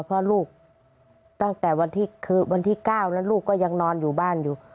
เพราะวันที่๙นั้นลูกก็ยังนอนอยู่บ้านอยู่